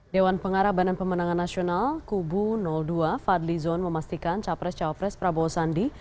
dewan pengarah badan pemenangan nasional kubu dua fadli zon memastikan capres capres prabowo sandi